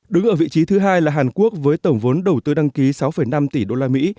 đứng ở vị trí thứ hai là hàn quốc với tổng vốn đầu tư đăng ký sáu năm tỷ đô la mỹ